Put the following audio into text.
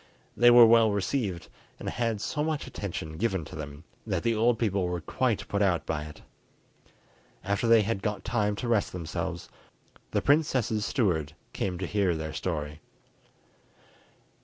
They were well received, and had so much attention given to them, that the old people were quite put out by it. After they had got time to rest themselves, the princess's steward came to hear their story.